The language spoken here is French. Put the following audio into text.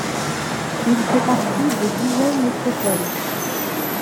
Il fait partie de Dijon Métropole.